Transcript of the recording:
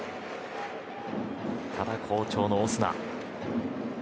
ただ、好調のオスナ。